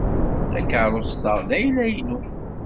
Takeṛṛust-a d ayla-inu.